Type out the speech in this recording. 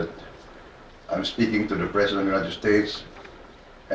kedua duanya berharap bisa melanjutkan kerjasama antar kedua negara